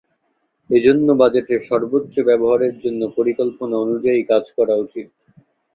এ জন্য বাজেটের সর্বোচ্চ ব্যবহারের জন্য পরিকল্পনা অনুযায়ী কাজ করা উচিত।